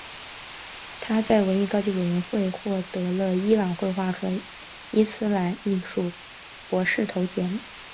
他在文艺高级委员会获得了伊朗绘画和伊斯兰艺术博士头衔。